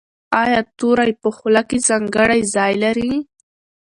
ایا توری په خوله کې ځانګړی ځای لري؟